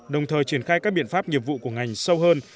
đồng thời triển khai các biện pháp nhiệm vụ của ngành sâu hơn